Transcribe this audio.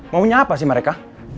maunya apa sih mereka